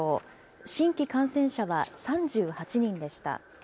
新規感染者は３８人でした。